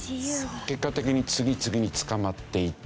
結果的に次々に捕まっていった。